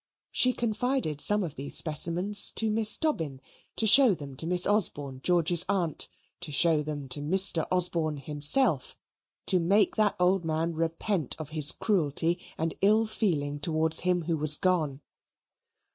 She confided some of these specimens to Miss Dobbin, to show them to Miss Osborne, George's aunt, to show them to Mr. Osborne himself to make that old man repent of his cruelty and ill feeling towards him who was gone.